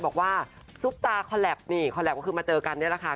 บอกว่าซุปตาคอแล็บคือมาเจอกันนี่ละค่ะ